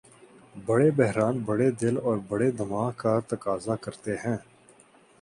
بڑے بحران بڑے دل اور بڑے دماغ کا تقاضا کرتے ہیں۔